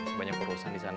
sebanyak perusahaan di sana